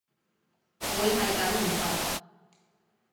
會係咁唔同